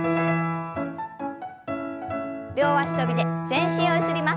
両足跳びで全身をゆすります。